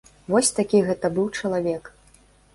Вось такі гэта быў чалавек.